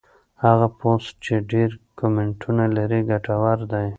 هغه پوسټ چې ډېر کمنټونه لري ګټور دی.